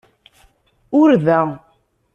Ur da.